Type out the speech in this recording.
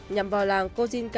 nhằm vào làng kozhenka